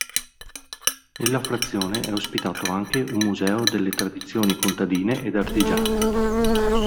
Nella frazione è ospitato anche un Museo delle tradizioni contadine ed artigiane.